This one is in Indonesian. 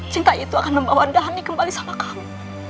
cinta itu akan membawa andahani kembali sama kamu